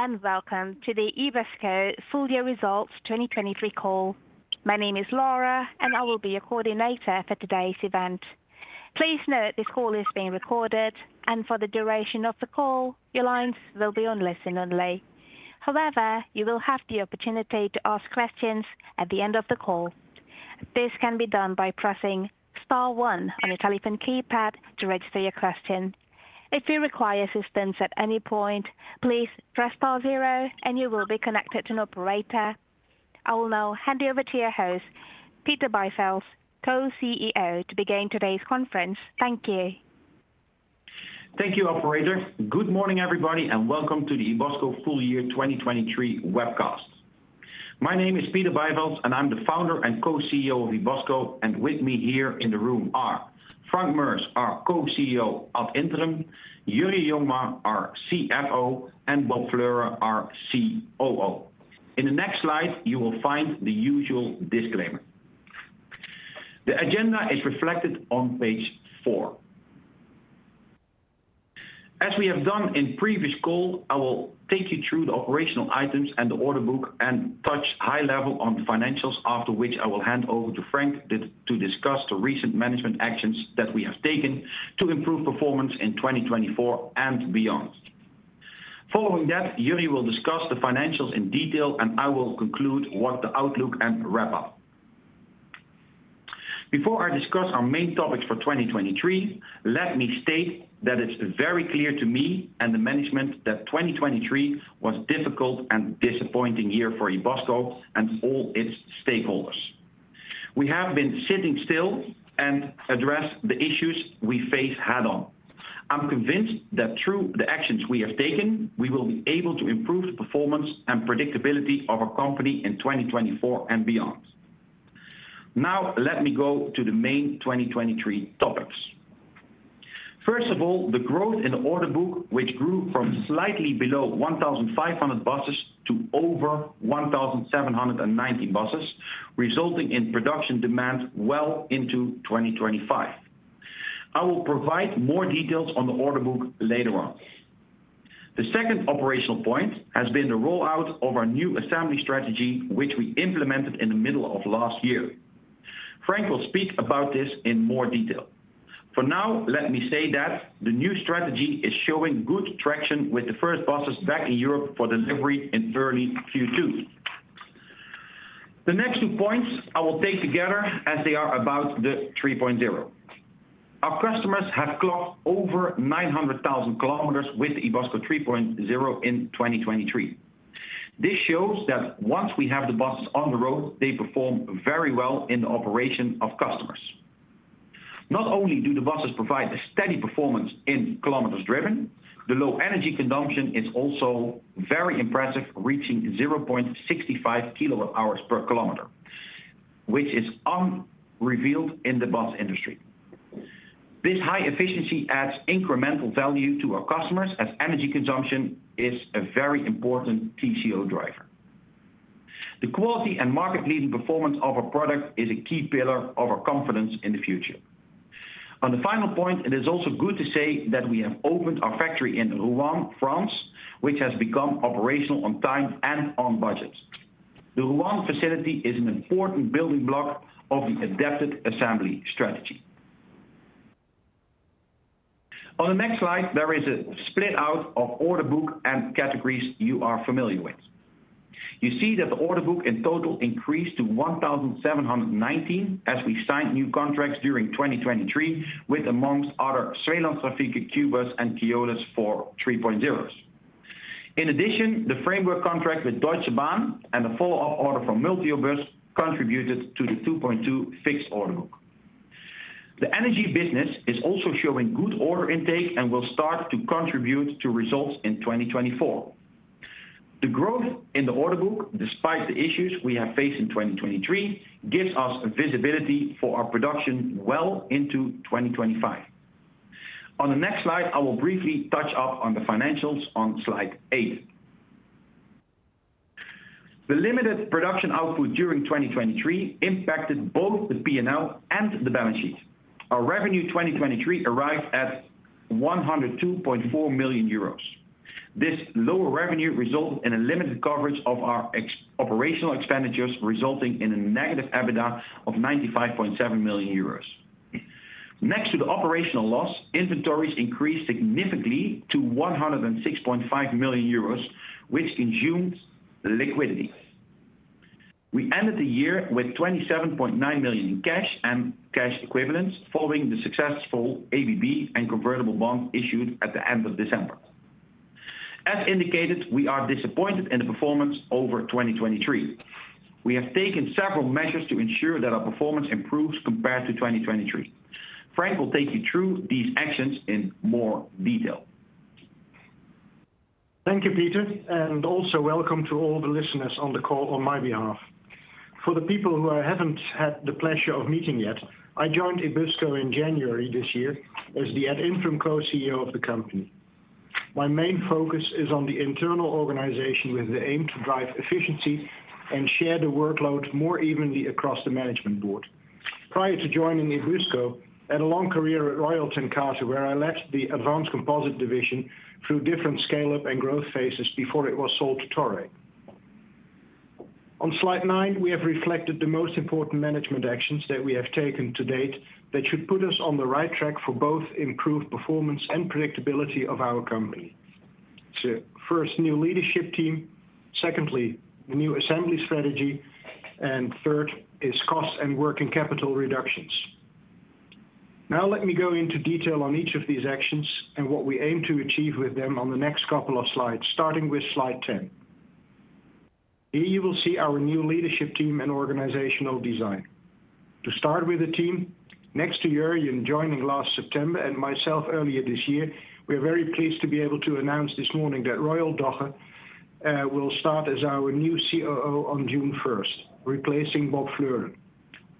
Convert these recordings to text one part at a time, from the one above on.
Hello and welcome to the Ebusco Full Year Results 2023 call. My name is Laura and I will be your coordinator for today's event. Please note this call is being recorded and for the duration of the call your lines will be on listen only. However, you will have the opportunity to ask questions at the end of the call. This can be done by pressing star one on your telephone keypad to register your question. If you require assistance at any point, please press star zero and you will be connected to an operator. I will now hand you over to your host, Peter Bijvelds, Co-CEO, to begin today's conference. Thank you. Thank you, Operator. Good morning, everybody, and welcome to the Ebusco Full Year 2023 webcast. My name is Peter Bijvelds and I'm the founder and Co-CEO of Ebusco, and with me here in the room are Frank Meurs, our Co-CEO ad interim, Jurjen Jongma, our CFO, and Bob Fleuren, our COO. In the next slide you will find the usual disclaimer. The agenda is reflected on page four. As we have done in the previous call, I will take you through the operational items and the order book and touch high level on the financials, after which I will hand over to Frank to discuss the recent management actions that we have taken to improve performance in 2024 and beyond. Following that, Jurjen will discuss the financials in detail and I will conclude with the outlook and wrap up. Before I discuss our main topics for 2023, let me state that it's very clear to me and the management that 2023 was a difficult and disappointing year for Ebusco and all its stakeholders. We have been sitting still and addressed the issues we face head-on. I'm convinced that through the actions we have taken, we will be able to improve the performance and predictability of our company in 2024 and beyond. Now let me go to the main 2023 topics. First of all, the growth in the order book, which grew from slightly below 1,500 buses to over 1,719 buses, resulting in production demand well into 2025. I will provide more details on the order book later on. The second operational point has been the rollout of our new assembly strategy, which we implemented in the middle of last year. Frank will speak about this in more detail. For now, let me say that the new strategy is showing good traction with the first buses back in Europe for delivery in early Q2. The next two points I will take together as they are about the 3.0. Our customers have clocked over 900,000 kilometers with the Ebusco 3.0 in 2023. This shows that once we have the buses on the road, they perform very well in the operation of customers. Not only do the buses provide a steady performance in kilometers driven, the low energy consumption is also very impressive, reaching 0.65 kilowatt-hours per kilometer, which is unrivaled in the bus industry. This high efficiency adds incremental value to our customers as energy consumption is a very important TCO driver. The quality and market-leading performance of our product is a key pillar of our confidence in the future. On the final point, it is also good to say that we have opened our factory in Rouen, France, which has become operational on time and on budget. The Rouen facility is an important building block of the adapted assembly strategy. On the next slide, there is a split out of the order book and categories you are familiar with. You see that the order book in total increased to 1,719 as we signed new contracts during 2023, with amongst other Svealandstrafiken, Qbuzz, and Keolis for 3.0s. In addition, the framework contract with Deutsche Bahn and the follow-up order from Multiobus contributed to the 2.2 fixed order book. The energy business is also showing good order intake and will start to contribute to results in 2024. The growth in the order book, despite the issues we have faced in 2023, gives us visibility for our production well into 2025. On the next slide, I will briefly touch up on the financials on slide 8. The limited production output during 2023 impacted both the P&L and the balance sheet. Our revenue 2023 arrived at 102.4 million euros. This lower revenue resulted in a limited coverage of our operational expenditures, resulting in a negative EBITDA of 95.7 million euros. Next to the operational loss, inventories increased significantly to 106.5 million euros, which consumed liquidity. We ended the year with 27.9 million in cash and cash equivalents following the successful ABB and convertible bonds issued at the end of December. As indicated, we are disappointed in the performance over 2023. We have taken several measures to ensure that our performance improves compared to 2023. Frank will take you through these actions in more detail. Thank you, Peter. Also welcome to all the listeners on the call on my behalf. For the people who haven't had the pleasure of meeting yet, I joined Ebusco in January this year as the ad interim Co-CEO of the company. My main focus is on the internal organization with the aim to drive efficiency and share the workload more evenly across the management board. Prior to joining Ebusco, I had a long career at Royal TenCate, where I led the advanced composite division through different scale-up and growth phases before it was sold to Toray. On slide 9, we have reflected the most important management actions that we have taken to date that should put us on the right track for both improved performance and predictability of our company. First, new leadership team. Secondly, the new assembly strategy. And third is cost and working capital reductions. Now let me go into detail on each of these actions and what we aim to achieve with them on the next couple of slides, starting with slide 10. Here you will see our new leadership team and organizational design. To start with the team, next to Jurjen, joining last September, and myself earlier this year, we are very pleased to be able to announce this morning that Roald Dogge will start as our new COO on June first, replacing Bob Fleuren.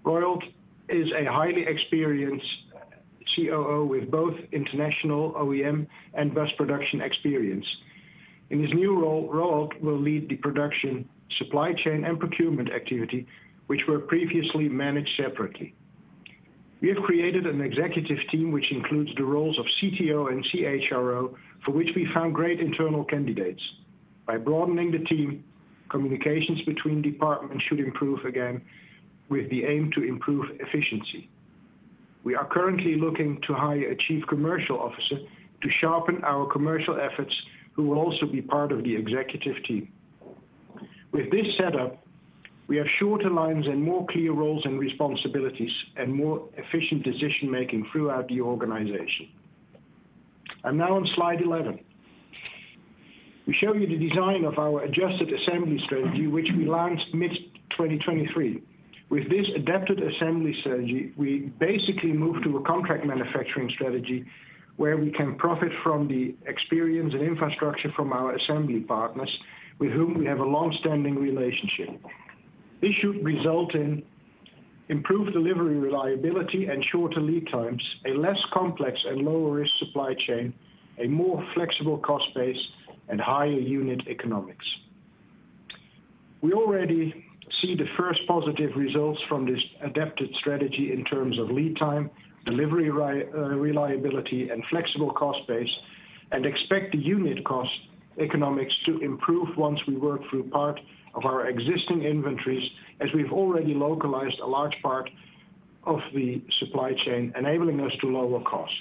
Roald is a highly experienced COO with both international OEM and bus production experience. In his new role, Roald will lead the production, supply chain, and procurement activity, which were previously managed separately. We have created an executive team, which includes the roles of CTO and CHRO, for which we found great internal candidates. By broadening the team, communications between departments should improve again with the aim to improve efficiency. We are currently looking to hire a Chief Commercial Officer to sharpen our commercial efforts, who will also be part of the executive team. With this setup, we have shorter lines and more clear roles and responsibilities and more efficient decision-making throughout the organization. I'm now on slide 11. We show you the design of our adjusted assembly strategy, which we launched mid-2023. With this adapted assembly strategy, we basically move to a contract manufacturing strategy where we can profit from the experience and infrastructure from our assembly partners, with whom we have a longstanding relationship. This should result in improved delivery reliability and shorter lead times, a less complex and lower-risk supply chain, a more flexible cost base, and higher unit economics. We already see the first positive results from this adapted strategy in terms of lead time, delivery reliability, and flexible cost base, and expect the unit cost economics to improve once we work through part of our existing inventories, as we've already localized a large part of the supply chain, enabling us to lower cost.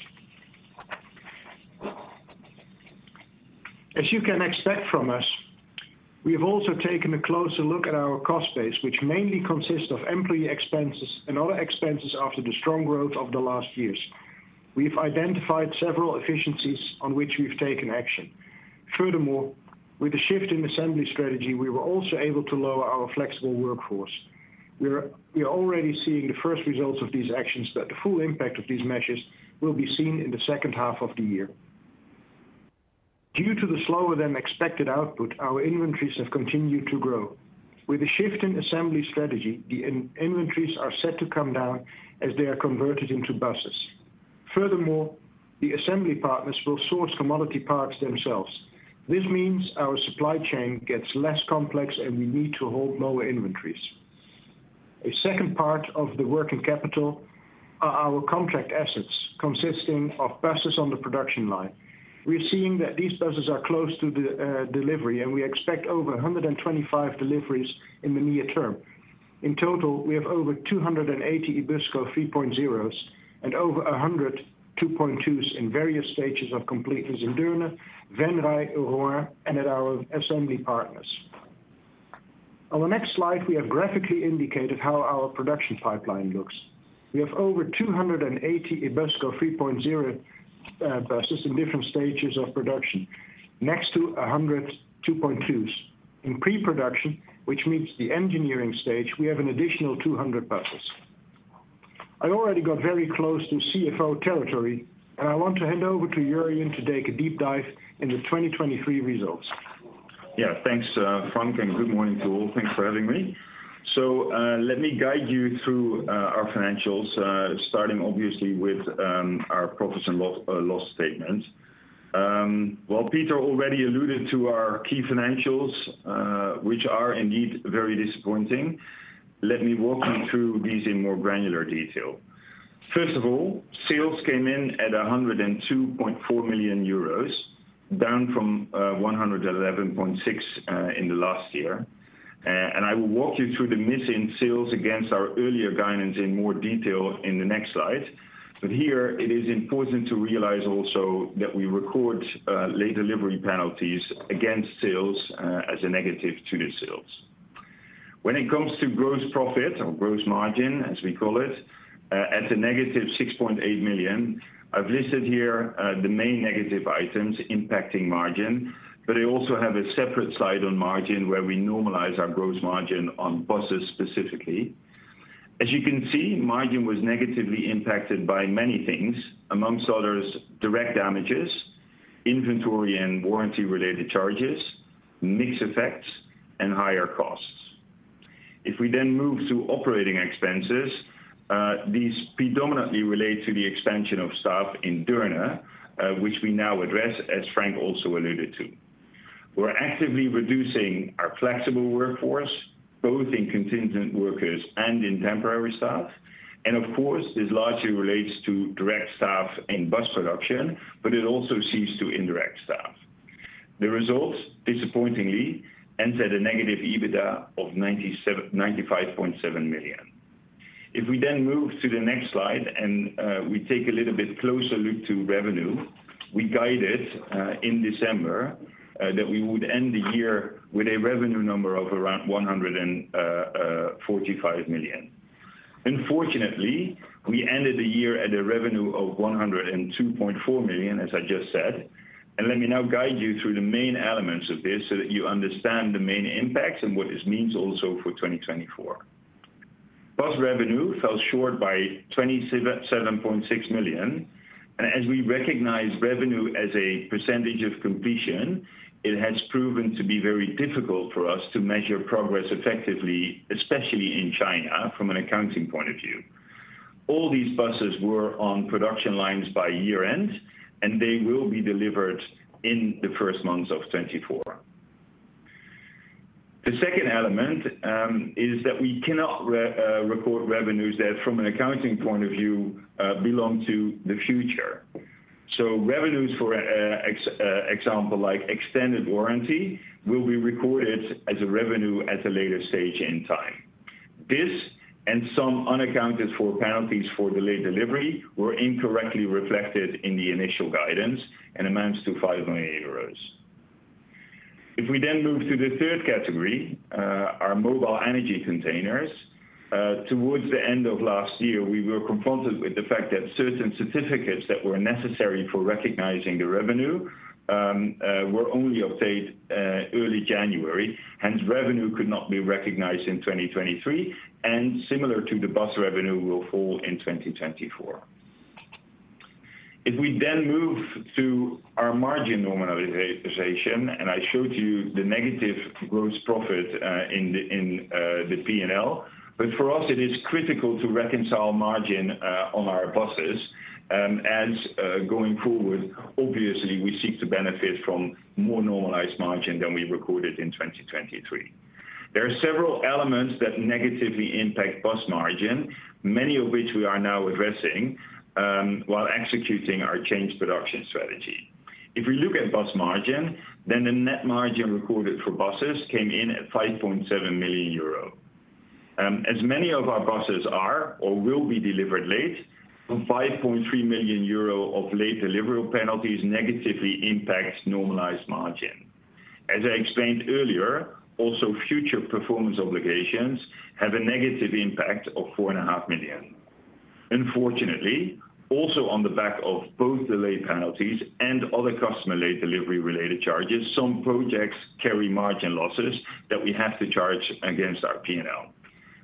As you can expect from us, we have also taken a closer look at our cost base, which mainly consists of employee expenses and other expenses after the strong growth of the last years. We've identified several efficiencies on which we've taken action. Furthermore, with the shift in assembly strategy, we were also able to lower our flexible workforce. We are already seeing the first results of these actions, but the full impact of these measures will be seen in the second half of the year. Due to the slower-than-expected output, our inventories have continued to grow. With the shift in assembly strategy, the inventories are set to come down as they are converted into buses. Furthermore, the assembly partners will source commodity parts themselves. This means our supply chain gets less complex and we need to hold lower inventories. A second part of the working capital are our contract assets, consisting of buses on the production line. We're seeing that these buses are close to the delivery and we expect over 125 deliveries in the near term. In total, we have over 280 Ebusco 3.0s and over 100 Ebusco 2.2s in various stages of completeness in Deurne, Venray, Rouen, and at our assembly partners. On the next slide, we have graphically indicated how our production pipeline looks. We have over 280 Ebusco 3.0 buses in different stages of production, next to 100 Ebusco 2.2s. In pre-production, which means the engineering stage, we have an additional 200 buses. I already got very close to CFO territory and I want to hand over to Jurjen to take a deep dive in the 2023 results. Yeah, thanks, Frank, and good morning to all. Thanks for having me. So let me guide you through our financials, starting obviously with our profits and loss statements. While Peter already alluded to our key financials, which are indeed very disappointing, let me walk you through these in more granular detail. First of all, sales came in at 102.4 million euros, down from 111.6 million in the last year. And I will walk you through the missing sales against our earlier guidance in more detail in the next slide. But here, it is important to realize also that we record late delivery penalties against sales as a negative to the sales. When it comes to gross profit or gross margin, as we call it, at negative 6.8 million, I've listed here the main negative items impacting margin, but I also have a separate slide on margin where we normalize our gross margin on buses specifically. As you can see, margin was negatively impacted by many things, amongst others, direct damages, inventory and warranty-related charges, mixed effects, and higher costs. If we then move to operating expenses, these predominantly relate to the expansion of staff in Deurne, which we now address, as Frank also alluded to. We're actively reducing our flexible workforce, both in contingent workers and in temporary staff. And of course, this largely relates to direct staff in bus production, but it also sees to indirect staff. The results, disappointingly, end at a negative EBITDA of 95.7 million. If we then move to the next slide and we take a little bit closer look to revenue, we guided in December that we would end the year with a revenue number of around 145 million. Unfortunately, we ended the year at a revenue of 102.4 million, as I just said. Let me now guide you through the main elements of this so that you understand the main impacts and what this means also for 2024. Bus revenue fell short by 27.6 million. As we recognize revenue as a percentage of completion, it has proven to be very difficult for us to measure progress effectively, especially in China from an accounting point of view. All these buses were on production lines by year-end and they will be delivered in the first months of 2024. The second element is that we cannot record revenues that, from an accounting point of view, belong to the future. So revenues, for example, like extended warranty, will be recorded as a revenue at a later stage in time. This and some unaccounted-for penalties for delayed delivery were incorrectly reflected in the initial guidance and amounts to 5 million euros. If we then move to the third category, our mobile energy containers, towards the end of last year, we were confronted with the fact that certain certificates that were necessary for recognizing the revenue were only updated early January. Hence, revenue could not be recognized in 2023. And similar to the bus revenue, will fall in 2024. If we then move to our margin normalization, and I showed you the negative gross profit in the P&L, but for us, it is critical to reconcile margin on our buses. Going forward, obviously, we seek to benefit from more normalized margin than we recorded in 2023. There are several elements that negatively impact bus margin, many of which we are now addressing while executing our changed production strategy. If we look at bus margin, then the net margin recorded for buses came in at 5.7 million euro. As many of our buses are or will be delivered late, 5.3 million euro of late delivery penalties negatively impact normalized margin. As I explained earlier, also future performance obligations have a negative impact of 4.5 million. Unfortunately, also on the back of both delay penalties and other customer late delivery-related charges, some projects carry margin losses that we have to charge against our P&L.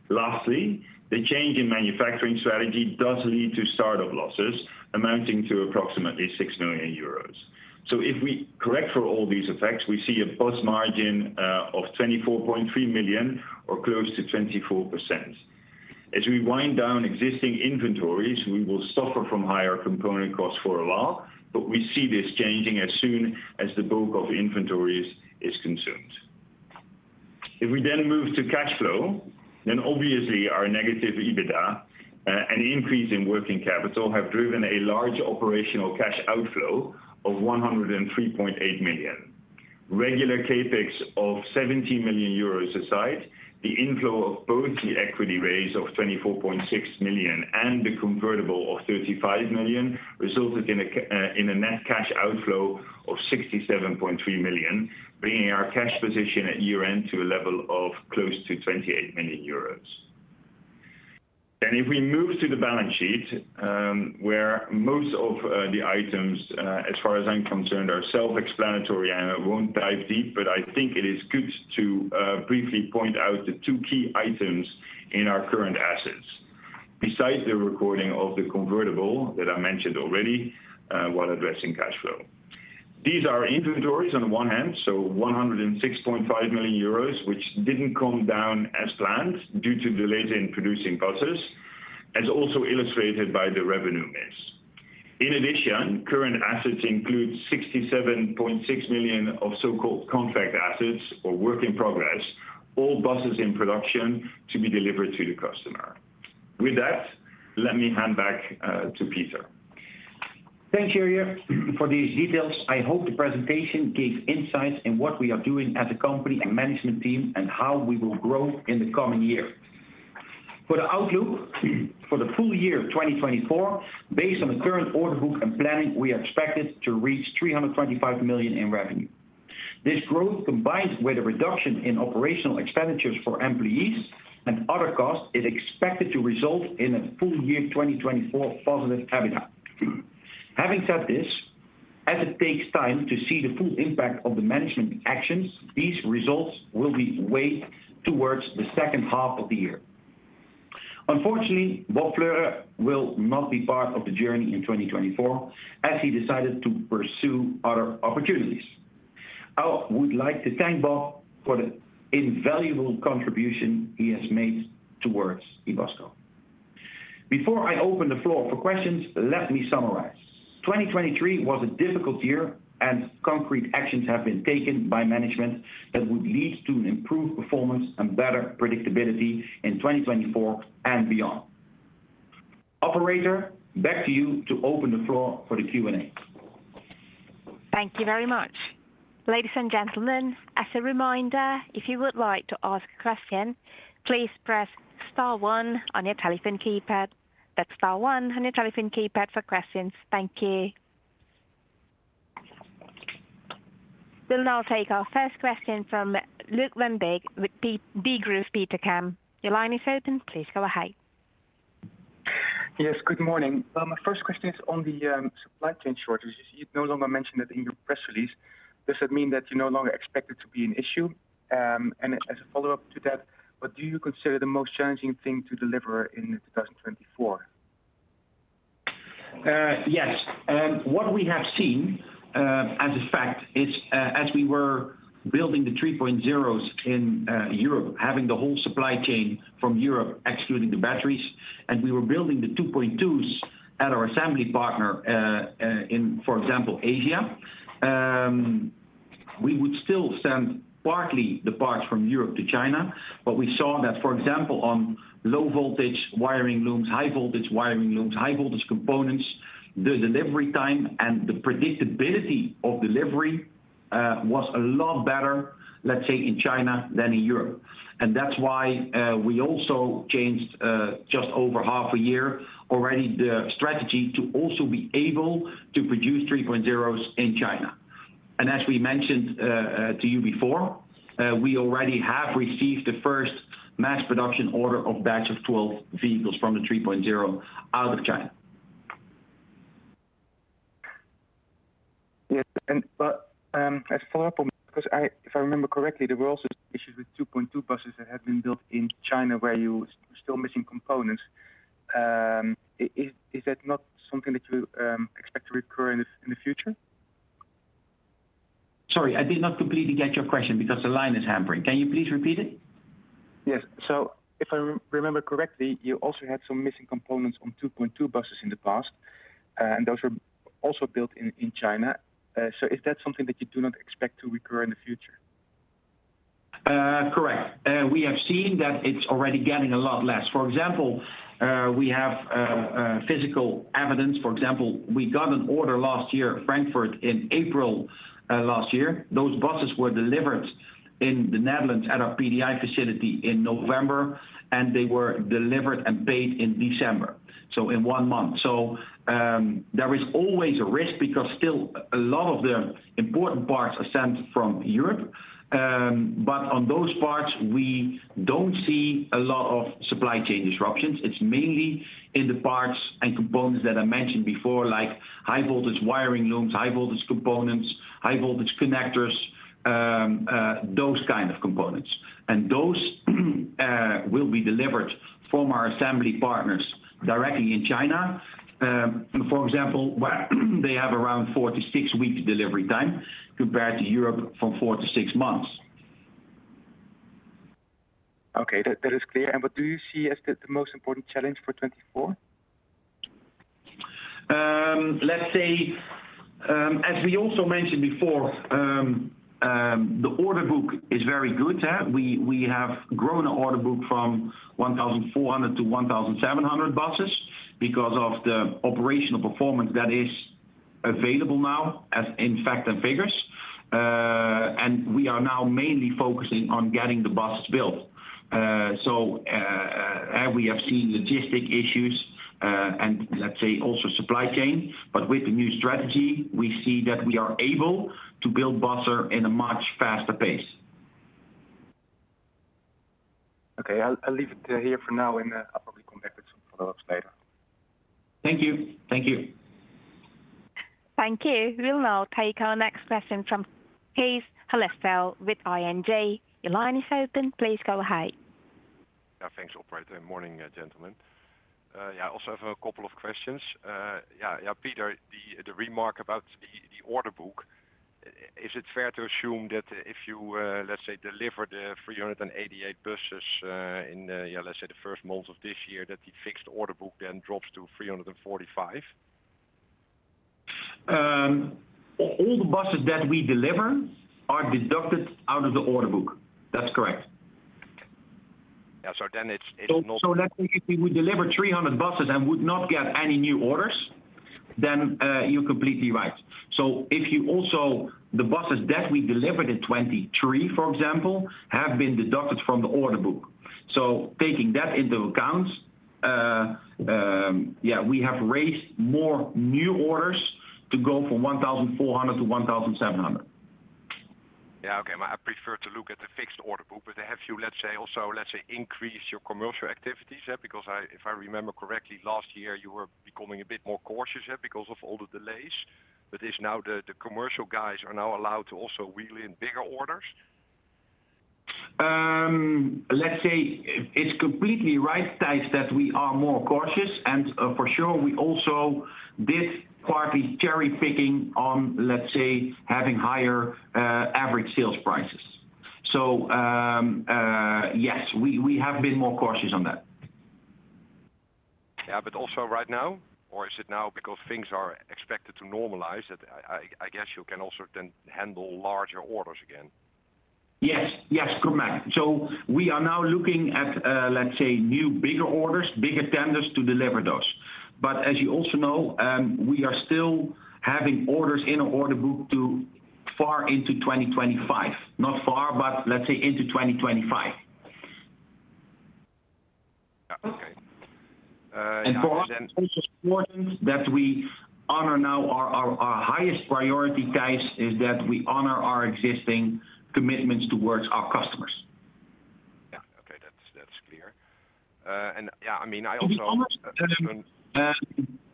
Lastly, the change in manufacturing strategy does lead to startup losses amounting to approximately 6 million euros. So if we correct for all these effects, we see a bus margin of 24.3 million or close to 24%. As we wind down existing inventories, we will suffer from higher component costs for a while, but we see this changing as soon as the bulk of inventories is consumed. If we then move to cash flow, then obviously, our negative EBITDA and increase in working capital have driven a large operational cash outflow of 103.8 million. Regular CapEx of 17 million euros aside, the inflow of both the equity raise of 24.6 million and the convertible of 35 million resulted in a net cash outflow of 67.3 million, bringing our cash position at year-end to a level of close to 28 million euros. Then if we move to the balance sheet, where most of the items, as far as I'm concerned, are self-explanatory, I won't dive deep, but I think it is good to briefly point out the two key items in our current assets, besides the recording of the convertible that I mentioned already while addressing cash flow. These are inventories on the one hand, so 106.5 million euros, which didn't come down as planned due to delays in producing buses, as also illustrated by the revenue mix. In addition, current assets include 67.6 million of so-called contract assets or work in progress, all buses in production to be delivered to the customer. With that, let me hand back to Peter. Thanks, Jurjen, for these details. I hope the presentation gave insights in what we are doing as a company and management team and how we will grow in the coming year. For the outlook, for the full year 2024, based on the current order book and planning, we are expected to reach 325 million in revenue. This growth, combined with a reduction in operational expenditures for employees and other costs, is expected to result in a full year 2024 positive EBITDA. Having said this, as it takes time to see the full impact of the management actions, these results will be weighed towards the second half of the year. Unfortunately, Bob Fleuren will not be part of the journey in 2024 as he decided to pursue other opportunities. I would like to thank Bob for the invaluable contribution he has made towards Ebusco. Before I open the floor for questions, let me summarize. 2023 was a difficult year and concrete actions have been taken by management that would lead to an improved performance and better predictability in 2024 and beyond. Operator, back to you to open the floor for the Q&A. Thank you very much. Ladies and gentlemen, as a reminder, if you would like to ask a question, please press star one on your telephone keypad. That's star one on your telephone keypad for questions. Thank you. We'll now take our first question from Luuk van Beek with Degroof Petercam. Your line is open. Please go ahead. Yes, good morning. My first question is on the supply chain shortages. You no longer mentioned that in your press release. Does that mean that you no longer expect it to be an issue? And as a follow-up to that, what do you consider the most challenging thing to deliver in 2024? Yes. What we have seen as a fact is, as we were building the 3.0s in Europe, having the whole supply chain from Europe excluding the batteries, and we were building the 2.2s at our assembly partner in, for example, Asia, we would still send partly the parts from Europe to China. But we saw that, for example, on low-voltage wiring looms, high-voltage wiring looms, high-voltage components, the delivery time and the predictability of delivery was a lot better, let's say, in China than in Europe. And that's why we also changed, just over half a year already, the strategy to also be able to produce 3.0s in China. And as we mentioned to you before, we already have received the first mass production order of batch of 12 vehicles from the 3.0 out of China. Yes. As a follow-up on that, because if I remember correctly, there were also issues with 2.2 buses that had been built in China where you were still missing components. Is that not something that you expect to recur in the future? Sorry, I did not completely get your question because the line is hampering. Can you please repeat it? Yes. So if I remember correctly, you also had some missing components on 2.2 buses in the past and those were also built in China. So is that something that you do not expect to recur in the future? Correct. We have seen that it's already getting a lot less. For example, we have physical evidence. For example, we got an order last year, Frankfurt, in April last year. Those buses were delivered in the Netherlands at our PDI facility in November and they were delivered and paid in December, so in one month. So there is always a risk because still a lot of the important parts are sent from Europe. But on those parts, we don't see a lot of supply chain disruptions. It's mainly in the parts and components that I mentioned before, like high-voltage wiring looms, high-voltage components, high-voltage connectors, those kind of components. And those will be delivered from our assembly partners directly in China. For example, they have around 4 weeks-6 weeks delivery time compared to europe from four to six months. Okay. That is clear. What do you see as the most important challenge for 2024? Let's say, as we also mentioned before, the order book is very good. We have grown our order book from 1,400 buses-1,700 buses because of the operational performance that is available now in facts and figures. We are now mainly focusing on getting the buses built. We have seen logistic issues and, let's say, also supply chain. But with the new strategy, we see that we are able to build buses in a much faster pace. Okay. I'll leave it here for now and I'll probably come back with some follow-ups later. Thank you. Thank you. Thank you. We'll now take our next question from Tijs Hollestelle with ING. Your line is open. Please go ahead. Yeah. Thanks, Operator. Good morning, gentlemen. Also have a couple of questions. Peter, the remark about the order book, is it fair to assume that if you, let's say, deliver the 388 buses in, let's say, the first months of this year, that the fixed order book then drops to 345? All the buses that we deliver are deducted out of the order book. That's correct. Yeah. So then it's not. So let's say if we would deliver 300 buses and would not get any new orders, then you're completely right. So if you also the buses that we delivered in 2023, for example, have been deducted from the order book. So taking that into account, yeah, we have raised more new orders to go from 1,400-1,700. Yeah. Okay. I prefer to look at the fixed order book, but have you, let's say, also, let's say, increased your commercial activities? Because if I remember correctly, last year, you were becoming a bit more cautious because of all the delays. But now the commercial guys are now allowed to also wheel in bigger orders? Let's say it's completely right, Tijs, that we are more cautious. And for sure, we also did partly cherry-picking on, let's say, having higher average sales prices. So yes, we have been more cautious on that. Yeah. But also right now, or is it now because things are expected to normalize that I guess you can also then handle larger orders again? Yes. Yes. Correct. So we are now looking at, let's say, new bigger orders, bigger tenders to deliver those. But as you also know, we are still having orders in our order book far into 2025, not far, but let's say into 2025. Yeah. Okay. For us, it's also important that we honor. Now our highest priority, Tijs, is that we honor our existing commitments toward our customers. Yeah. Okay. That's clear. And yeah, I mean, I also.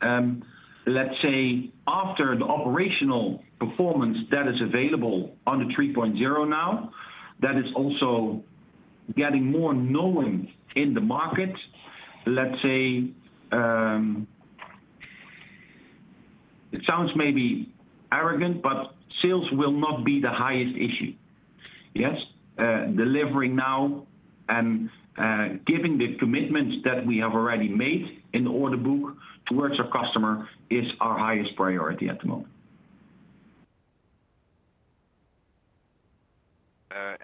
And let's say after the operational performance that is available on the 3.0 now, that is also getting more known in the market. Let's say it sounds maybe arrogant, but sales will not be the highest issue. Yes? Delivering now and giving the commitments that we have already made in the order book towards our customer is our highest priority at the moment.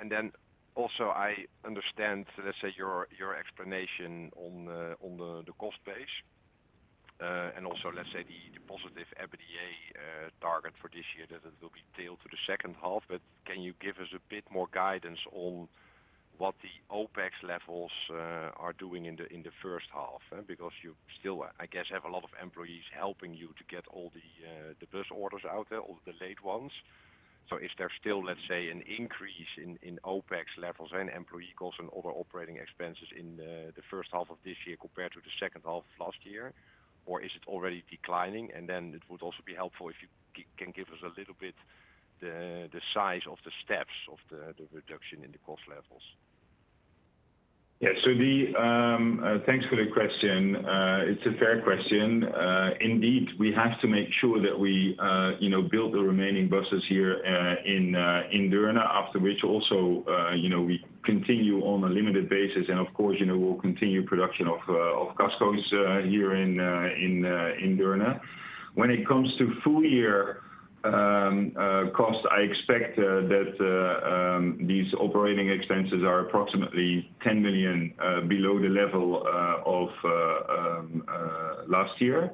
And then also, I understand, let's say, your explanation on the cost base and also, let's say, the positive EBITDA target for this year that it will be tilted to the second half. But can you give us a bit more guidance on what the OPEX levels are doing in the first half? Because you still, I guess, have a lot of employees helping you to get all the bus orders out, all the late ones. So is there still, let's say, an increase in OPEX levels and employee costs and other operating expenses in the first half of this year compared to the second half of last year? Or is it already declining? And then it would also be helpful if you can give us a little bit the size of the steps of the reduction in the cost levels. Yeah. So thanks for the question. It's a fair question. Indeed, we have to make sure that we build the remaining buses here in Deurne, after which also we continue on a limited basis. And of course, we'll continue production of Ebusco's here in Deurne. When it comes to full-year cost, I expect that these operating expenses are approximately 10 million below the level of last year.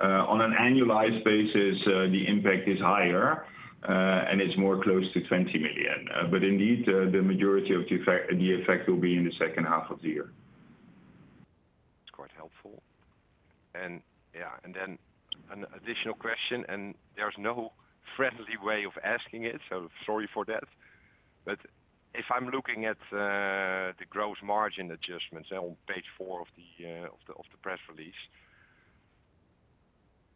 On an annualized basis, the impact is higher and it's more close to 20 million. But indeed, the majority of the effect will be in the second half of the year. That's quite helpful. And yeah. And then an additional question, and there's no friendly way of asking it, so sorry for that. But if I'm looking at the gross margin adjustments on page 4 of the press release,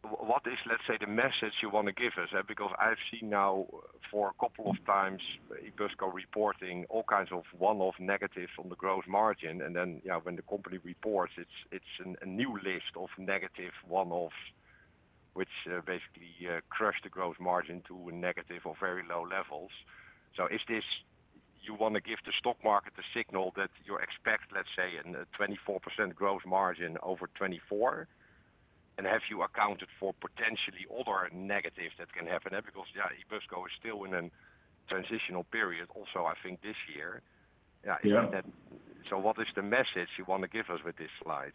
what is, let's say, the message you want to give us? Because I've seen now for a couple of times Ebusco reporting all kinds of one-off negatives on the gross margin. And then when the company reports, it's a new list of negative one-offs, which basically crush the gross margin to negative or very low levels. So you want to give the stock market the signal that you expect, let's say, a 24% gross margin over 2024? And have you accounted for potentially other negatives that can happen? Because yeah, Ebusco is still in a transitional period also, I think, this year. Yeah. What is the message you want to give us with this slide?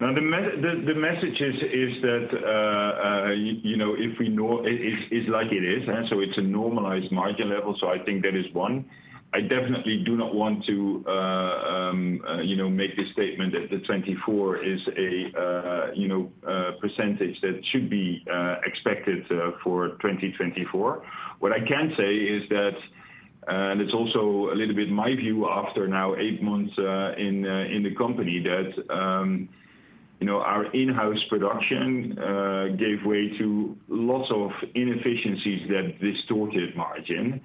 Now, the message is that if we know it's like it is, so it's a normalized margin level. I think that is one. I definitely do not want to make the statement that the 2024 is a percentage that should be expected for 2024. What I can say is that, and it's also a little bit my view after now eight months in the company, that our in-house production gave way to lots of inefficiencies that distorted margin.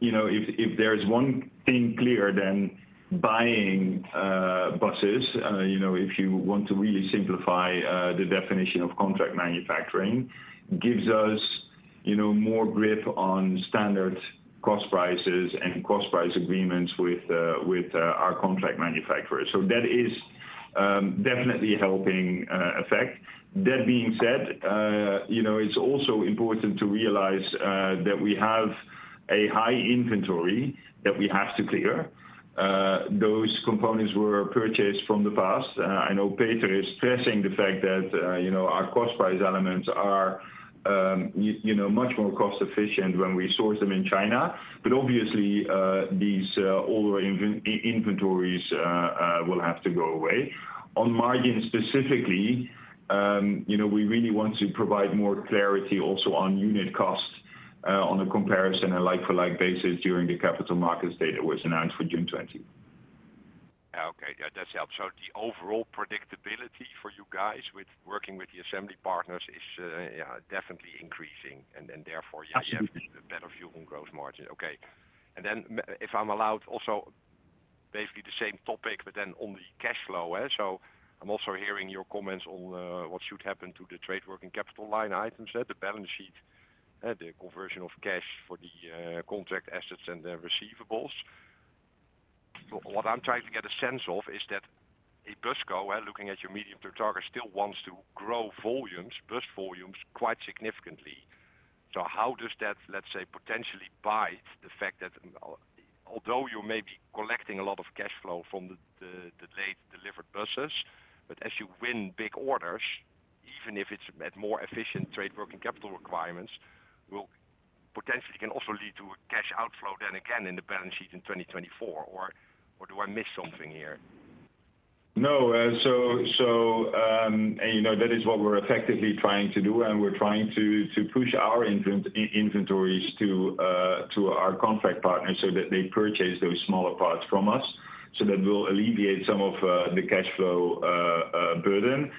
If there is one thing clear, then buying buses, if you want to really simplify the definition of contract manufacturing, gives us more grip on standard cost prices and cost price agreements with our contract manufacturers. That is definitely a helping effect. That being said, it's also important to realize that we have a high inventory that we have to clear. Those components were purchased from the past. I know Peter is stressing the fact that our cost price elements are much more cost-efficient when we source them in China. But obviously, these older inventories will have to go away. On margin specifically, we really want to provide more clarity also on unit cost on a comparison and like-for-like basis during the capital markets day that was announced for June 2020. Yeah. Okay. Yeah. That's helpful. So the overall predictability for you guys working with the assembly partners is definitely increasing. And therefore, yeah, you have a better future gross margin. Okay. And then if I'm allowed, also basically the same topic, but then on the cash flow. So I'm also hearing your comments on what should happen to the trade working capital line items, the balance sheet, the conversion of cash for the contract assets and the receivables. What I'm trying to get a sense of is that Ebusco, looking at your medium-term target, still wants to grow bus volumes quite significantly. So how does that, let's say, potentially bite the fact that although you're maybe collecting a lot of cash flow from the late delivered buses, but as you win big orders, even if it's at more efficient trade working capital requirements, potentially can also lead to a cash outflow then again in the balance sheet in 2024? Or do I miss something here? No. And that is what we're effectively trying to do. And we're trying to push our inventories to our contract partners so that they purchase those smaller parts from us so that we'll alleviate some of the cash flow burden.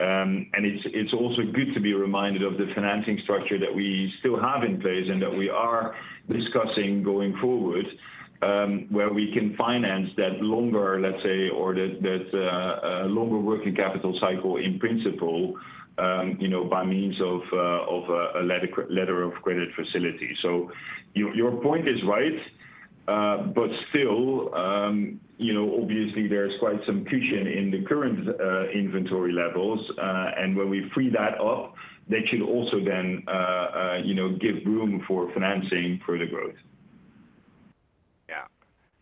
And it's also good to be reminded of the financing structure that we still have in place and that we are discussing going forward where we can finance that longer, let's say, or that longer working capital cycle in principle by means of a letter of credit facility. So your point is right. But still, obviously, there's quite some cushion in the current inventory levels. And when we free that up, that should also then give room for financing for the growth.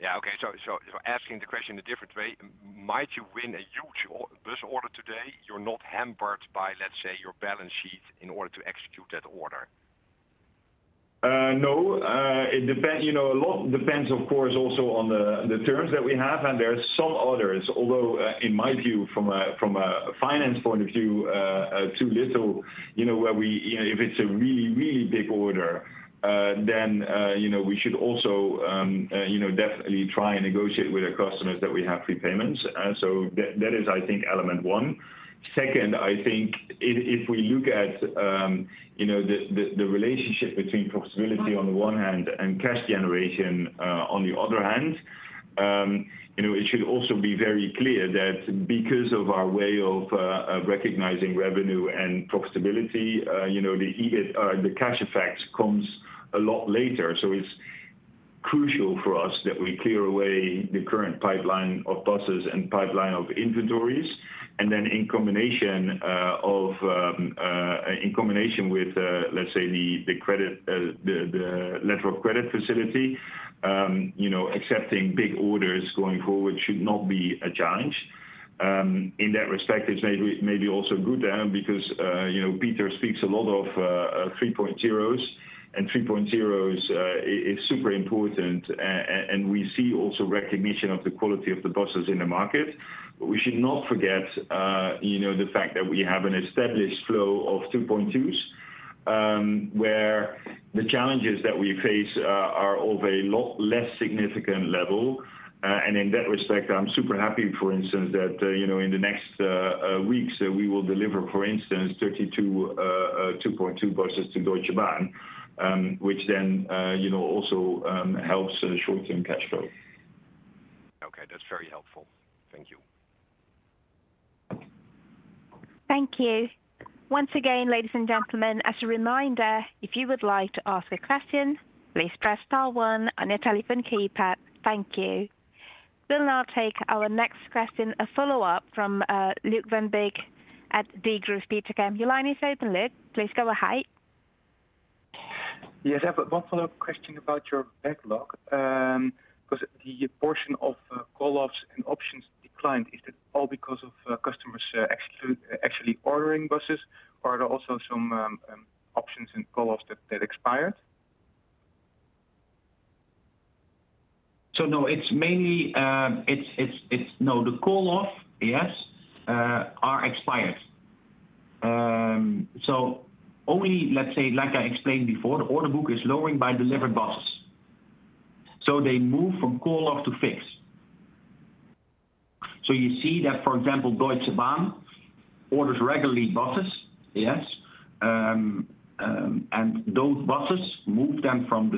Yeah. Yeah. Okay. So asking the question the different way, might you win a huge bus order today? You're not hampered by, let's say, your balance sheet in order to execute that order? No. A lot depends, of course, also on the terms that we have. There are some others, although in my view, from a finance point of view, too little where we if it's a really, really big order, then we should also definitely try and negotiate with our customers that we have free payments. That is, I think, element one. Second, I think if we look at the relationship between profitability on the one hand and cash generation on the other hand, it should also be very clear that because of our way of recognizing revenue and profitability, the cash effect comes a lot later. It's crucial for us that we clear away the current pipeline of buses and pipeline of inventories. Then in combination with, let's say, the letter of credit facility, accepting big orders going forward should not be a challenge. In that respect, it's maybe also good because Peter speaks a lot of 3.0s. And 3.0s is super important. And we see also recognition of the quality of the buses in the market. But we should not forget the fact that we have an established flow of 2.2s where the challenges that we face are of a lot less significant level. And in that respect, I'm super happy, for instance, that in the next weeks, we will deliver, for instance, 32 2.2 buses to Deutsche Bahn, which then also helps short-term cash flow. Okay. That's very helpful. Thank you. Thank you. Once again, ladies and gentlemen, as a reminder, if you would like to ask a question, please press star one on your telephone keypad. Thank you. We'll now take our next question, a follow-up from Luuk van Beek at Degroof Petercam. Your line is open, Luuk. Please go ahead. Yes. I have one follow-up question about your backlog. Because the portion of call-offs and options declined, is that all because of customers actually ordering buses? Or are there also some options and call-offs that expired? So no. No, the call-off, yes, are expired. So only, let's say, like I explained before, the order book is lowering by delivered buses. So they move from call-off to fix. So you see that, for example, Deutsche Bahn orders regularly buses, yes? And those buses, move them from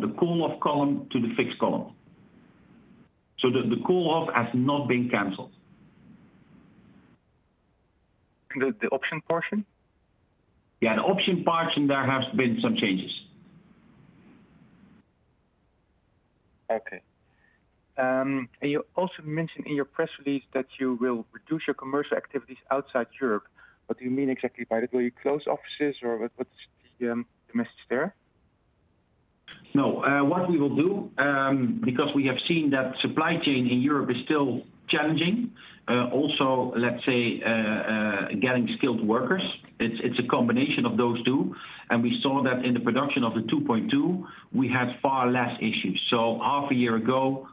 the call-off column to the fixed column. So the call-off has not been canceled. And the option portion? Yeah. The option portion, there have been some changes. Okay. And you also mentioned in your press release that you will reduce your commercial activities outside Europe. What do you mean exactly by that? Will you close offices? Or what's the message there? No. What we will do, because we have seen that supply chain in Europe is still challenging, also, let's say, getting skilled workers, it's a combination of those two. And we saw that in the production of the 2.2, we had far less issues. So half a year ago,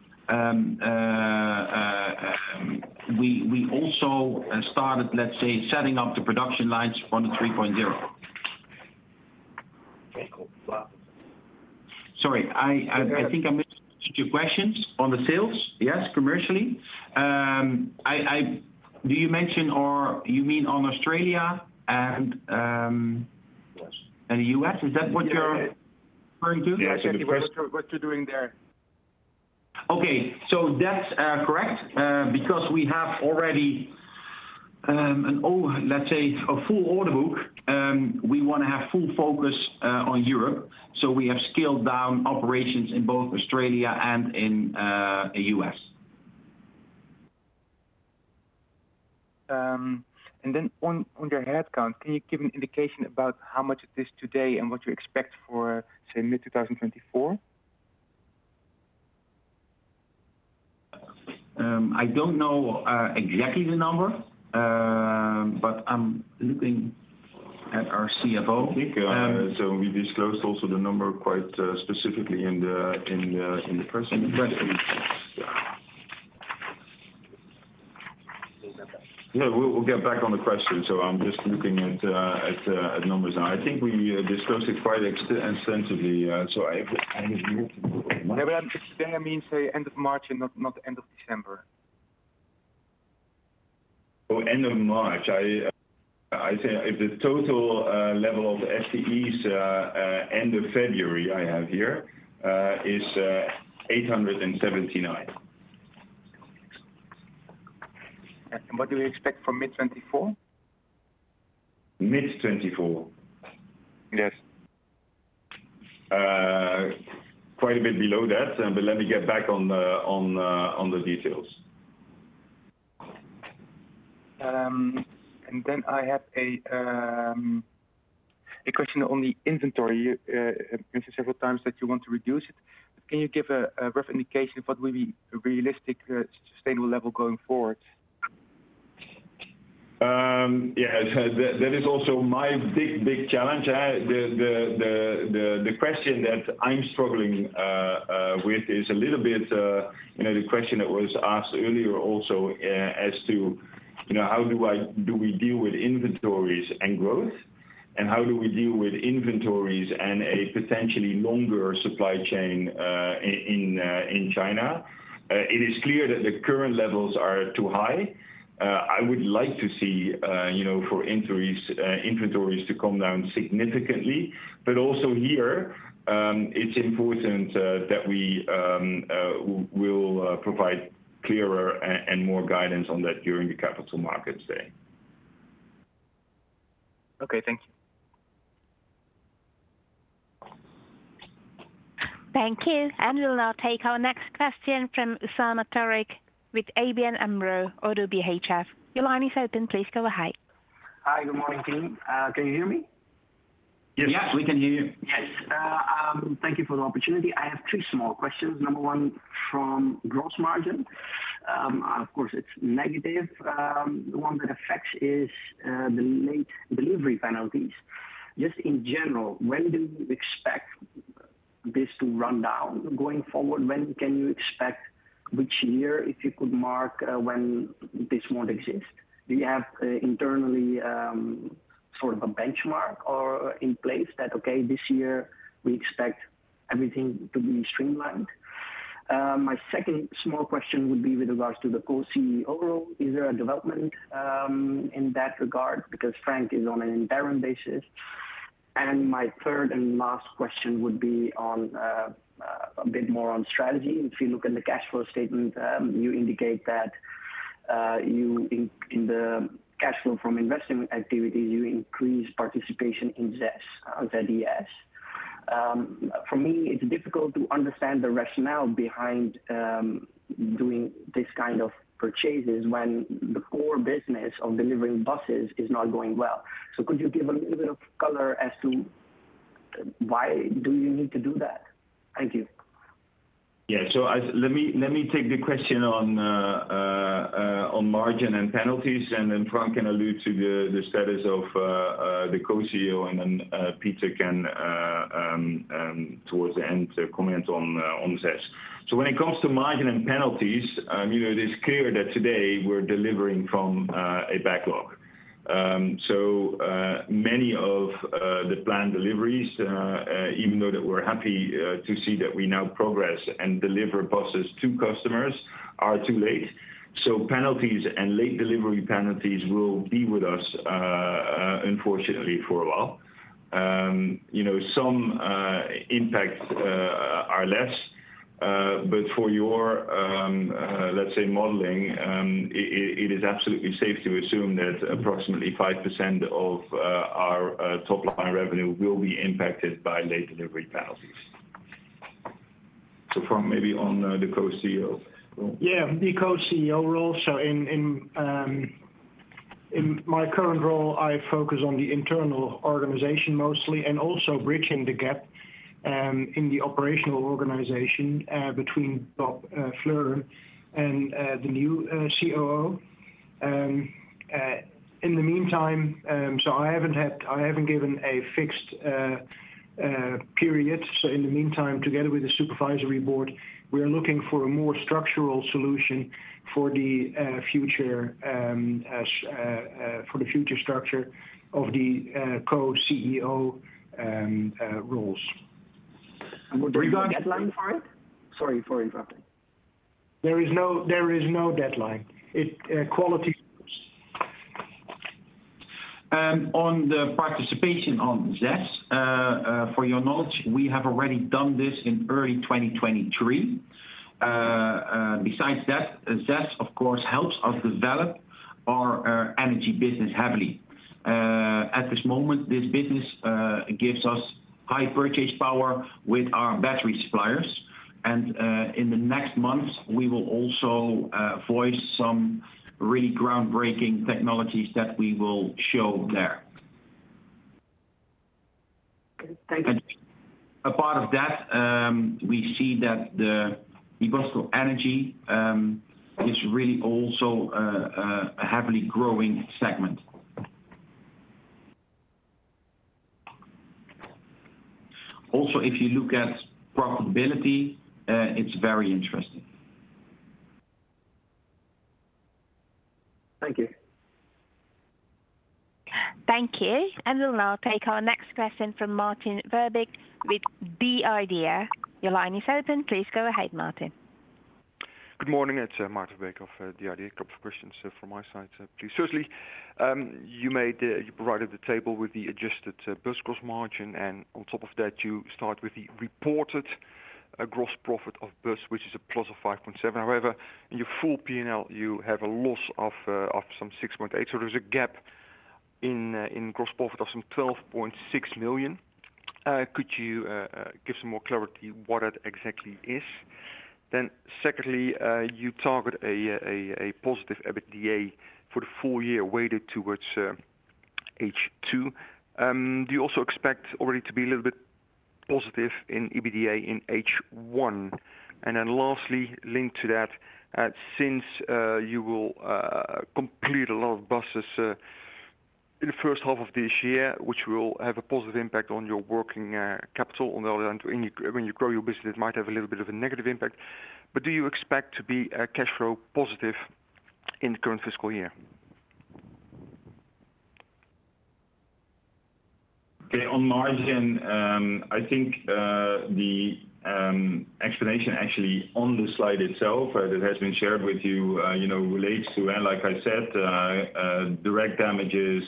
we also started, let's say, setting up the production lines for the 3.0. Okay. Cool. Wow. Sorry. I think I missed your questions on the sales, yes, commercially. Do you mean on Australia and the U.S.? Is that what you're referring to? Yes. What you're doing there. Okay. So that's correct. Because we have already an old, let's say, a full order book, we want to have full focus on Europe. So we have scaled down operations in both Australia and in the U.S. On your headcount, can you give an indication about how much it is today and what you expect for, say, mid-2024? I don't know exactly the number. But I'm looking at our CFO. I think so. And we disclosed also the number quite specifically in the press release. Yeah. We'll get back on the question. So I'm just looking at numbers. I think we disclosed it quite extensively. So I have more to go over. Yeah. But today, I mean, say, end of March and not end of December. Oh, end of March. I say if the total level of FTEs end of February I have here is 879. What do we expect for mid-2024? Mid-'24? Yes. Quite a bit below that. But let me get back on the details. And then I have a question on the inventory. You mentioned several times that you want to reduce it. Can you give a rough indication of what will be a realistic sustainable level going forward? Yeah. That is also my big, big challenge. The question that I'm struggling with is a little bit the question that was asked earlier also as to how do we deal with inventories and growth? And how do we deal with inventories and a potentially longer supply chain in China? It is clear that the current levels are too high. I would like to see for inventories to come down significantly. But also here, it's important that we will provide clearer and more guidance on that during the capital markets day. Okay. Thank you. Thank you. And we'll now take our next question from Usama Tariq with ABN AMRO – ODDO BHF. Your line is open. Please go ahead. Hi. Good morning, team. Can you hear me? Yes. We can hear you. Yes. Thank you for the opportunity. I have two small questions. Number one from gross margin. Of course, it's negative. The one that affects is the late delivery penalties. Just in general, when do you expect this to run down going forward? When can you expect which year, if you could mark, when this won't exist? Do you have internally sort of a benchmark in place that, "Okay. This year, we expect everything to be streamlined"? My second small question would be with regards to the co-CEO role. Is there a development in that regard? Because Frank is on an interim basis. And my third and last question would be a bit more on strategy. If you look at the cash flow statement, you indicate that in the cash flow from investing activities, you increase participation in ZES. For me, it's difficult to understand the rationale behind doing this kind of purchases when the core business of delivering buses is not going well. So could you give a little bit of color as to why do you need to do that? Thank you. Yeah. So let me take the question on margin and penalties. And then Frank can allude to the status of the co-CEO and then Peter can towards the end comment on ZES. So when it comes to margin and penalties, it is clear that today, we're delivering from a backlog. So many of the planned deliveries, even though that we're happy to see that we now progress and deliver buses to customers, are too late. So penalties and late delivery penalties will be with us, unfortunately, for a while. Some impacts are less. But for your, let's say, modeling, it is absolutely safe to assume that approximately 5% of our top-line revenue will be impacted by late delivery penalties. So Frank, maybe on the co-CEO role. Yeah. The co-CEO role. So in my current role, I focus on the internal organization mostly and also bridging the gap in the operational organization between Bob Fleuren and the new COO. In the meantime, so I haven't given a fixed period. So in the meantime, together with the Supervisory Board, we are looking for a more structural solution for the future structure of the co-CEO roles. Would there be a deadline for it? Sorry for interrupting. There is no deadline. Quality. On the participation on ZES, for your knowledge, we have already done this in early 2023. Besides that, ZES, of course, helps us develop our energy business heavily. At this moment, this business gives us high purchase power with our battery suppliers. In the next months, we will also voice some really groundbreaking technologies that we will show there. Okay. Thank you. A part of that, we see that Ebusco Energy is really also a heavily growing segment. Also, if you look at profitability, it's very interesting. Thank you. Thank you. And we'll now take our next question from Maarten Verbeek with The Idea. Your line is open. Please go ahead, Martin. Good morning. It's Maarten Verbeek of The Idea. A couple of questions from my side, please. Firstly, you provided the table with the adjusted BUS gross margin. And on top of that, you start with the reported gross profit of BUS, which is a plus of 5.7. However, in your full P&L, you have a loss of some 6.8. So there's a gap in gross profit of some 12.6 million. Could you give some more clarity what that exactly is? Then secondly, you target a positive EBITDA for the full year weighted towards H2. Do you also expect already to be a little bit positive in EBITDA in H1? Then lastly, linked to that, since you will complete a lot of buses in the first half of this year, which will have a positive impact on your working capital, on the other hand, when you grow your business, it might have a little bit of a negative impact. But do you expect to be cash flow positive in the current fiscal year? Okay. On margin, I think the explanation actually on the slide itself that has been shared with you relates to, like I said, direct damages,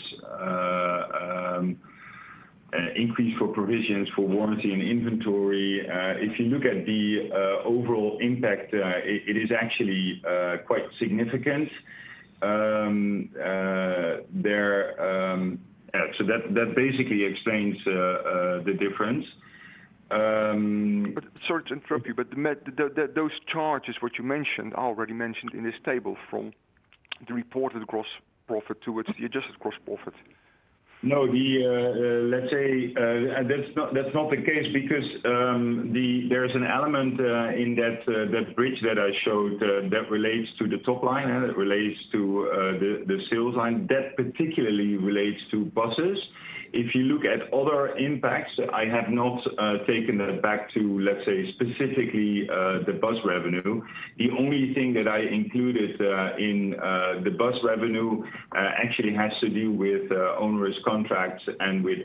increase for provisions for warranty and inventory. If you look at the overall impact, it is actually quite significant. Yeah. So that basically explains the difference. Sorry to interrupt you. But those charges, what you mentioned, are already mentioned in this table from the reported gross profit towards the adjusted gross profit. No. Let's say that's not the case because there is an element in that bridge that I showed that relates to the top line, that relates to the sales line. That particularly relates to buses. If you look at other impacts, I have not taken that back to, let's say, specifically the bus revenue. The only thing that I included in the bus revenue actually has to do with onerous contracts and with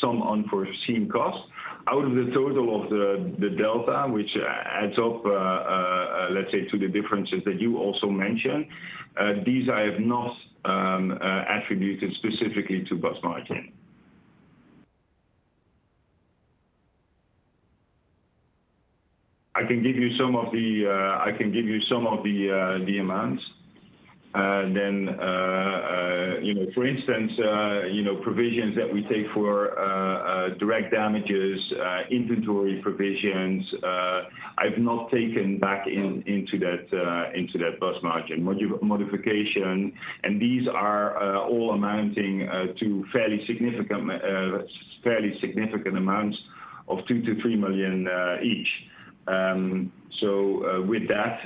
some unforeseen costs. Out of the total of the delta, which adds up, let's say, to the differences that you also mentioned, these I have not attributed specifically to bus margin. I can give you some of the amounts. Then, for instance, provisions that we take for direct damages, inventory provisions, I've not taken back into that bus margin modification. These are all amounting to fairly significant amounts of 2 million-3 million each. With that,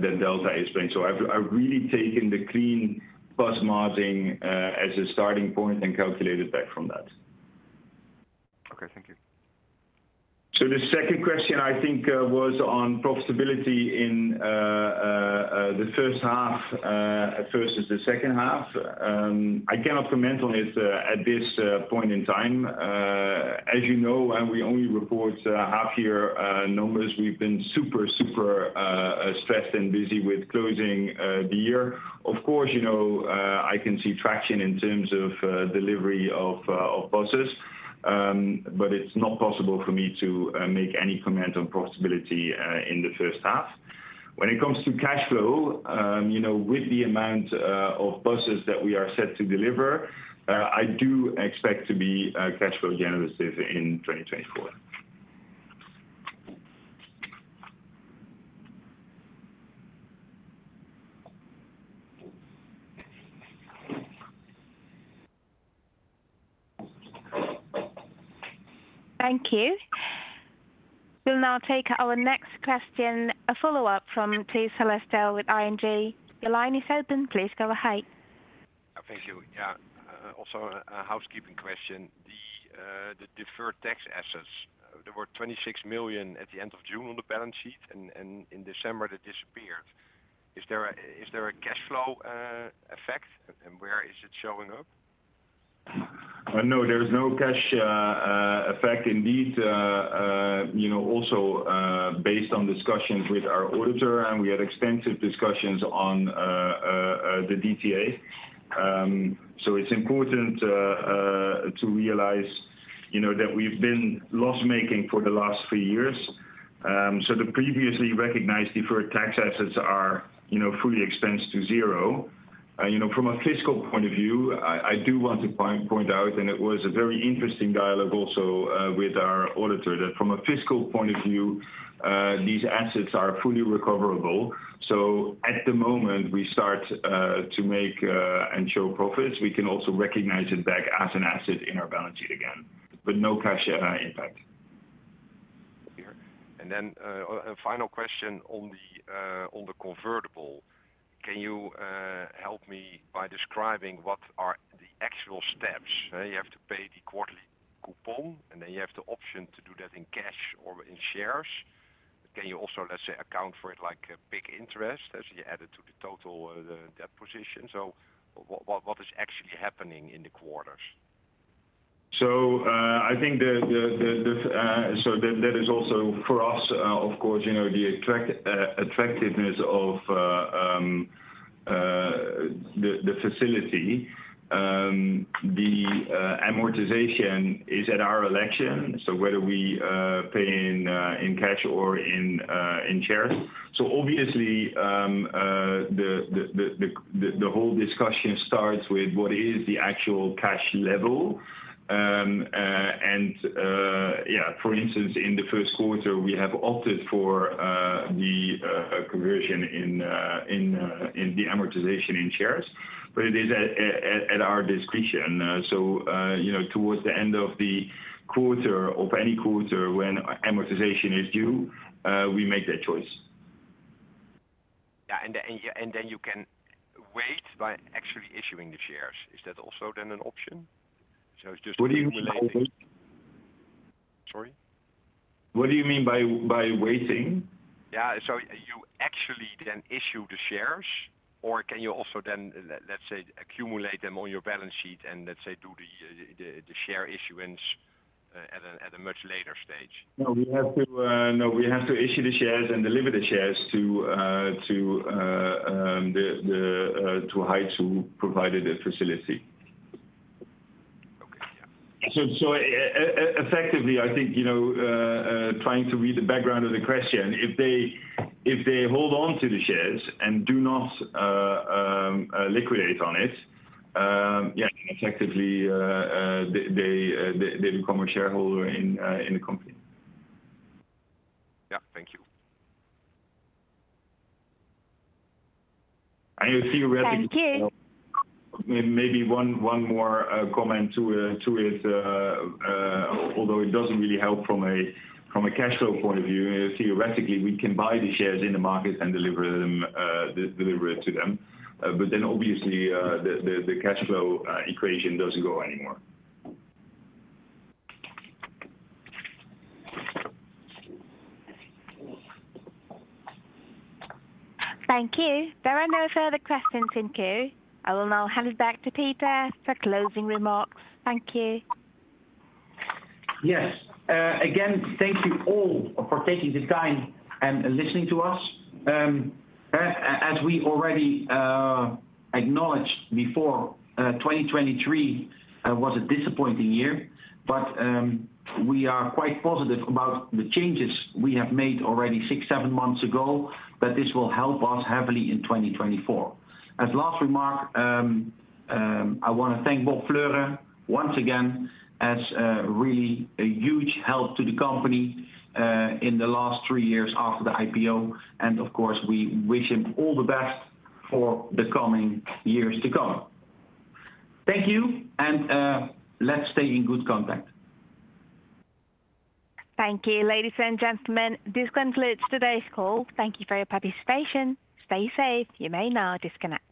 the delta is playing. I've really taken the clean bus margin as a starting point and calculated back from that. Okay. Thank you. So the second question, I think, was on profitability in the first half versus the second half. I cannot comment on it at this point in time. As you know, we only report half-year numbers. We've been super, super stressed and busy with closing the year. Of course, I can see traction in terms of delivery of buses. But it's not possible for me to make any comment on profitability in the first half. When it comes to cash flow, with the amount of buses that we are set to deliver, I do expect to be cash flow generative in 2024. Thank you. We'll now take our next question, a follow-up from Tijs Hollestelle with ING. Your line is open. Please go ahead. Thank you. Yeah. Also, a housekeeping question. The Deferred Tax Assets, there were 26 million at the end of June on the balance sheet. And in December, they disappeared. Is there a cash flow effect? And where is it showing up? No. There's no cash effect. Indeed, also based on discussions with our auditor, and we had extensive discussions on the DTA. So it's important to realize that we've been loss-making for the last three years. So the previously recognized deferred tax assets are fully expensed to zero. From a fiscal point of view, I do want to point out, and it was a very interesting dialogue also with our auditor, that from a fiscal point of view, these assets are fully recoverable. So at the moment, we start to make and show profits. We can also recognize it back as an asset in our balance sheet again, but no cash impact. Thank you. And then a final question on the convertible. Can you help me by describing what are the actual steps? You have to pay the quarterly coupon. And then you have the option to do that in cash or in shares. Can you also, let's say, account for it like PIK interest as you add it to the total debt position? So what is actually happening in the quarters? So I think that is also for us, of course, the attractiveness of the facility. The amortization is at our election. So whether we pay in cash or in shares. So obviously, the whole discussion starts with what is the actual cash level. And yeah. For instance, in the first quarter, we have opted for the conversion in the amortization in shares. But it is at our discretion. So towards the end of the quarter of any quarter when amortization is due, we make that choice. Yeah. And then you can wait by actually issuing the shares. Is that also then an option? So it's just accumulating? What do you mean by waiting? Sorry. What do you mean by waiting? Yeah. So you actually then issue the shares? Or can you also then, let's say, accumulate them on your balance sheet and, let's say, do the share issuance at a much later stage? No. We have to issue the shares and deliver the shares to Heights Capital Management, provided the facility. Okay. Yeah. Effectively, I think trying to read the background of the question, if they hold onto the shares and do not liquidate on it, yeah, then effectively, they become a shareholder in the company. Yeah. Thank you. I think theoretically. Thank you. Maybe one more comment to it, although it doesn't really help from a cash flow point of view. Theoretically, we can buy the shares in the market and deliver it to them. But then obviously, the cash flow equation doesn't go anymore. Thank you. There are no further questions, in queue. I will now hand it back to Peter for closing remarks. Thank you. Yes. Again, thank you all for taking the time and listening to us. As we already acknowledged before, 2023 was a disappointing year. But we are quite positive about the changes we have made six months, seven months ago, that this will help us heavily in 2024. As last remark, I want to thank Bob Fleuren once again as really a huge help to the company in the last three years after the IPO. And of course, we wish him all the best for the coming years to come. Thank you. Let's stay in good contact. Thank you, ladies and gentlemen. This concludes today's call. Thank you for your participation. Stay safe. You may now disconnect.